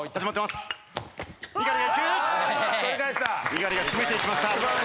猪狩が決めていきました。